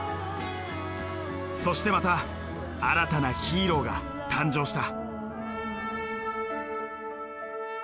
そしてまた新たなヒーローが誕生した。